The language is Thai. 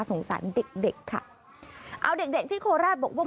สงสัยเด็กค่ะเอาเด็กที่โคราชบอกว่า